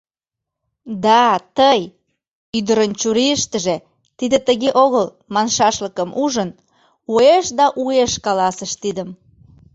Да, тый, — ӱдырын чурийыштыже «тиде тыге огыл» маншашлыкым ужын, уэш да уэш каласыш тидым.